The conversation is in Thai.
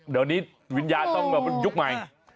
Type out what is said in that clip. เดี๋ยวนี้วิญญาณต้องแบบยุคใหม่